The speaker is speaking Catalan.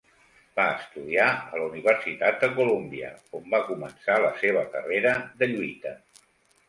Va estudiar a la Universitat de Columbia, on va començar la seva carrera de lluita.